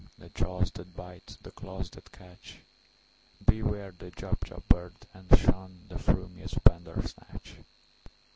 The jaws that bite, the claws that catch! Beware the Jubjub bird, and shunThe frumious Bandersnatch!"